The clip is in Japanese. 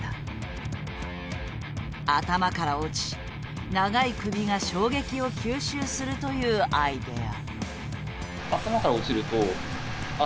頭から落ち長い首が衝撃を吸収するというアイデア。